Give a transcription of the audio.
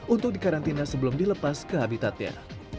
untuk dikarantina sebelum dilepas ke habitatnya